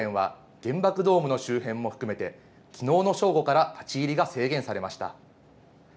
これに伴って平和公園は原爆ドームの周辺も含めて、きのうの正午から立ち入りが制限されました。